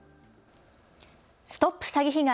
ＳＴＯＰ詐欺被害！